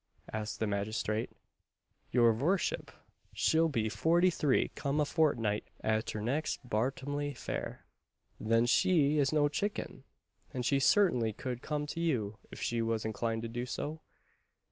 asked the magistrate. "Your vorship, she'll be forty three come a fortnight a'ter next Bart'lemy fair." "Then she is no chicken! and she certainly could come to you, if she was inclined to do so."